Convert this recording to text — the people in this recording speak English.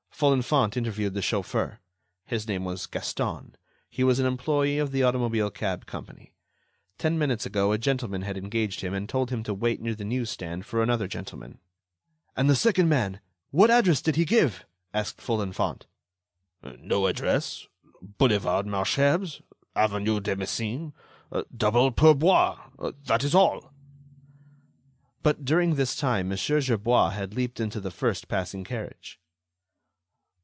Folenfant interviewed the chauffeur. His name was Gaston; he was an employee of the automobile cab company; ten minutes ago, a gentleman had engaged him and told him to wait near the news stand for another gentleman. "And the second man—what address did he give?" asked Folenfant. "No address. 'Boulevard Malesherbes ... avenue de Messine ... double pourboire.' That is all." But, during this time, Mon. Gerbois had leaped into the first passing carriage.